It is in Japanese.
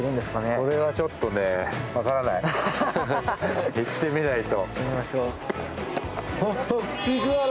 これはちょっとね、分からない、行ってみないと。